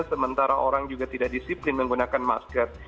sementara orang juga tidak disiplin menggunakan masker